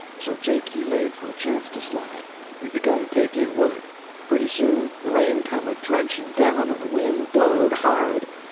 So Jake he laid for a chance to slide. We begun to take in wood. Pretty soon the rain come a drenching down, and the wind blowed hard.